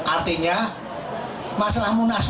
artinya masalah munaslup